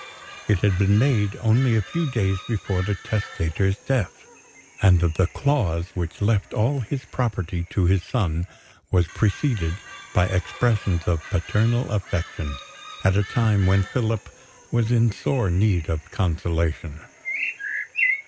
It had been made only a few days before the testator's death; and the clause which left all his property to his son was preceded by expressions of paternal affection, at a time when Philip was in sore need of consolation.